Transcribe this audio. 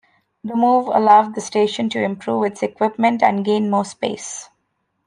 The move allowed the station to improve its equipment and gain more space.